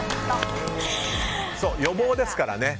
予防ですからね。